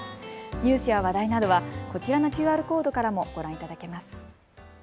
ニュースや話題などはこちらのＱＲコードからもご覧いただけます。